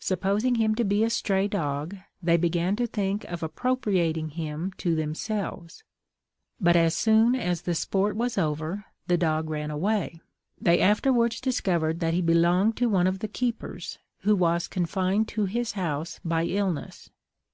Supposing him to be a stray dog, they began to think of appropriating him to themselves; but as soon as the sport was over, the dog ran away. They afterwards discovered that he belonged to one of the keepers, who was confined to his house by illness.